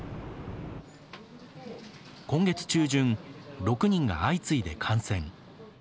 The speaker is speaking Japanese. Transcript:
今月中旬、６人が相次いで感染。